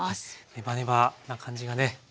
ネバネバな感じがね